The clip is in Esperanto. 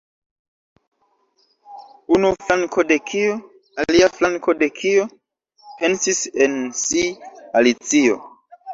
"Unu flanko de kio? Alia flanko de kio?" pensis en si Alicio.